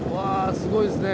すごいですね。